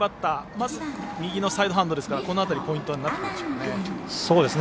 まず右のサイドハンドですからこの辺り、ポイントになってくるでしょうね。